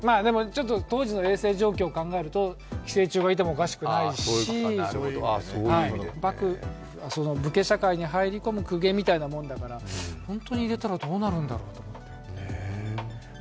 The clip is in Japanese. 当時の衛生状況を考えると寄生虫がいてもおかしくないし武家社会に入り込む公家みたいなものだから、本当に入れたらどうなるんだろう。